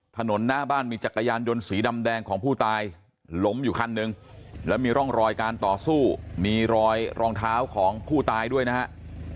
ถนนหน้าบ้านมีจักรยานยนต์สีดำแดงของผู้ตายล้มอยู่คันหนึ่งแล้วมีร่องรอยการต่อสู้มีรอยรองเท้าของผู้ตายด้วยนะฮะ